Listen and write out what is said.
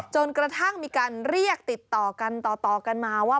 จนกระทั่งมีการเรียกติดต่อกันต่อกันมาว่า